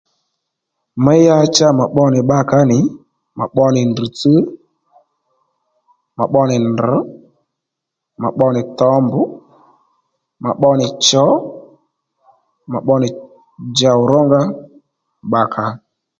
Meya cha ma pbonì bbakǎ nì mà pbo nì ndrr̀tsś, mà pbo nì ndrr̀, ma pbo nì towmbù, mà pbo nì chǒ, mà pbo nì djòw rónga bbakǎ